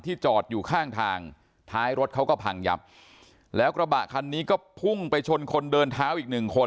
จอดอยู่ข้างทางท้ายรถเขาก็พังยับแล้วกระบะคันนี้ก็พุ่งไปชนคนเดินเท้าอีกหนึ่งคน